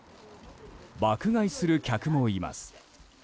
爆買いする客もいます。